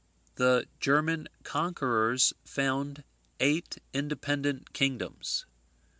The German conquerors found eight independent kingdoms.